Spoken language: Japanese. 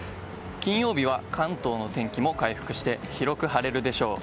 金曜日は関東の天気も回復して広く晴れるでしょう。